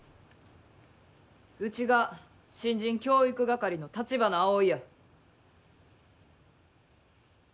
うちが新人教育係の橘アオイや。